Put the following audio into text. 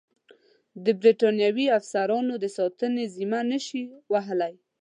د برټانوي افسرانو د ساتنې ذمه نه شي وهلای.